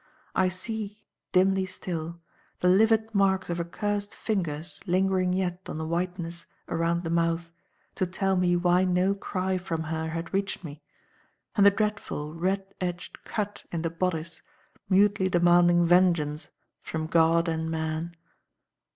I see dimly still the livid marks of accursed fingers lingering yet on the whiteness around the mouth to tell me why no cry from her had reached me, and the dreadful, red edged cut in the bodice mutely demanding vengeance from God and man.